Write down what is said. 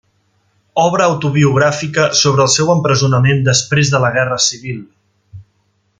Obra autobiogràfica sobre el seu empresonament després de la Guerra Civil.